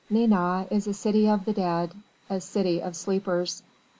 Nantes is a city of the dead a city of sleepers.